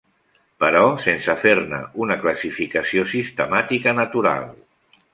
Però sense fer-ne una classificació sistemàtica natural.